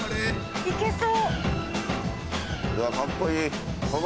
行けそう。